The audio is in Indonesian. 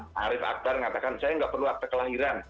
pak arief akbar ngatakan saya nggak perlu akta kelahiran